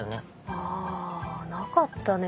あぁなかったね。